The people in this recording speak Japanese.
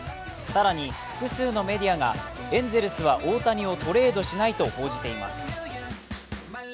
更に複数のメディアがエンゼルスは大谷をトレードしないと報じています。